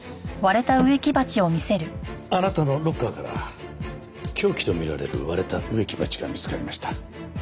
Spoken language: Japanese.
あなたのロッカーから凶器と見られる割れた植木鉢が見つかりました。